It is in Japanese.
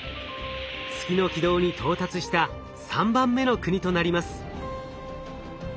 月の軌道に到達した３番目の国となります。